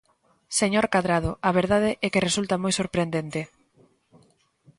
Señor Cadrado, a verdade é que resulta moi sorprendente.